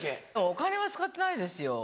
お金は使ってないですよ。